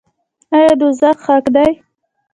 آیا دوزخ حق دی؟